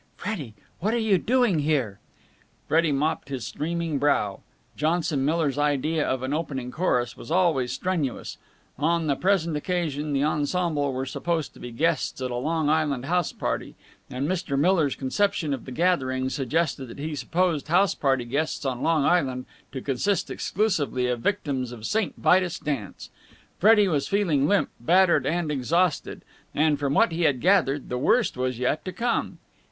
"Freddie, what are you doing here?" Freddie mopped his streaming brow. Johnson Miller's idea of an opening chorus was always strenuous. On the present occasion, the ensemble were supposed to be guests at a Long Island house party, and Mr. Miller's conception of the gathering suggested that he supposed house party guests on Long Island to consist exclusively of victims of St. Vitus' dance. Freddie was feeling limp, battered, and exhausted: and, from what he had gathered, the worst was yet to come.